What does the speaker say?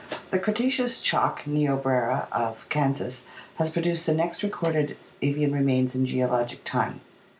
— The Cretaceous chalk (Niobrara) of Kansas has produced the next recorded avian remains in geologic time.